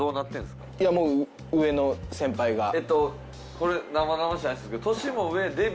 これ生々しい話するけど。